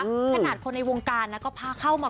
ขนาดคนในวงการนะก็พาเข้ามา